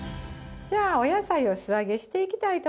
じゃあお野菜を素揚げしていきたいと思います。